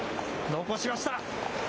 残しました。